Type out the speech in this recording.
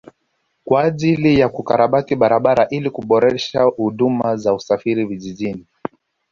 Kwa ajili ya kukarabati barabara ili kuboresha huduma za usafiri vijijini